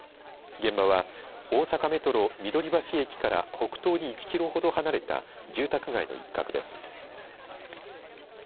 現場は、大阪メトロ緑橋駅から北東に１キロほど離れた住宅街の一角です。